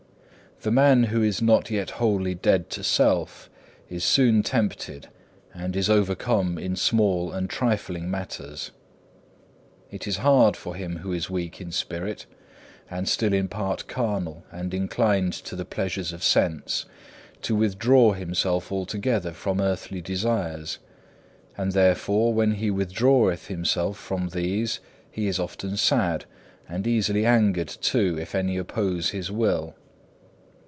The man who is not yet wholly dead to self, is soon tempted, and is overcome in small and trifling matters. It is hard for him who is weak in spirit, and still in part carnal and inclined to the pleasures of sense, to withdraw himself altogether from earthly desires. And therefore, when he withdraweth himself from these, he is often sad, and easily angered too if any oppose his will.